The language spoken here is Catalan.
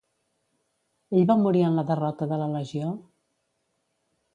Ell va morir en la derrota de la legió?